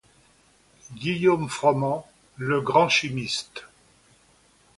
Guillaume Froment, le grand chimiste!